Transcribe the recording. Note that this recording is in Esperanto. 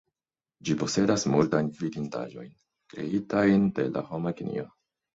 Ĝi posedas multajn vidindaĵojn, kreitajn de la homa genio.